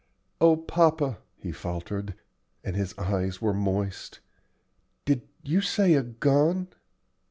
"O papa," he faltered, and his eyes were moist, "did you say a gun?"